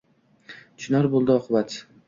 Chinor bo’ldi oqibat.